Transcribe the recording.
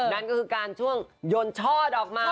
นั่นก็คือการช่วงยนชอดออกไม้